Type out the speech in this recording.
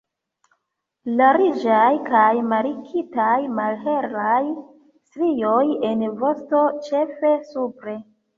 Larĝaj kaj markitaj malhelaj strioj en vosto, ĉefe supre.